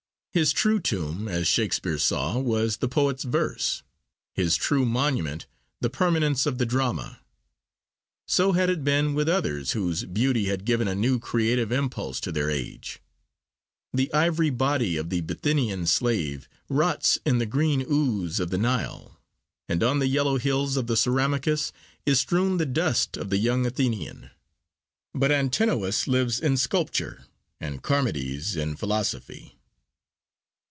His true tomb, as Shakespeare saw, was the poet's verse, his true monument the permanence of the drama. So had it been with others whose beauty had given a new creative impulse to their age. The ivory body of the Bithynian slave rots in the green ooze of the Nile, and on the yellow hills of the Cerameicus is strewn the dust of the young Athenian; but Antinous lives in sculpture, and Charmides in philosophy.